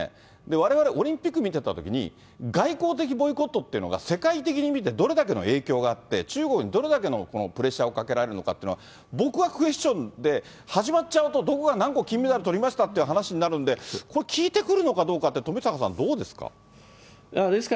われわれ、オリンピック見てたときに外交的ボイコットっていうのが世界的に見てどれだけの影響があって、中国にどれだけのプレッシャーをかけられるのかっていうのは、僕はクエスチョンで、始まっちゃうとどこが何個金メダルとりましたっていう話になるんで、これ、効いてくるのかどうかって、富坂さんどうですか。